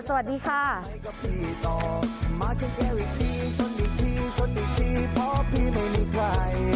สวัสดีค่ะ